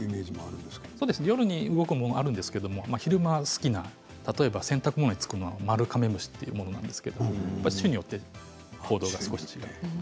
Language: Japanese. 夜に動くものもあるんですけれども昼間好きな洗濯物につくものはマルカメムシというんですが種類によって行動が違います。